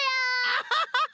アハハハ！